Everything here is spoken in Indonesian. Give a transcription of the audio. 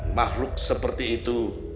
makhluk seperti itu